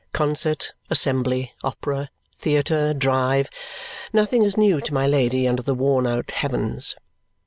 Concert, assembly, opera, theatre, drive, nothing is new to my Lady under the worn out heavens.